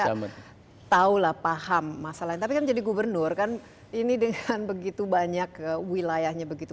tahun tahulah paham masalah tapi menjadi gubernur kan ini dengan begitu banyak ke wilayahnya begitu